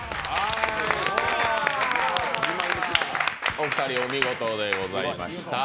お二人お見事でございました。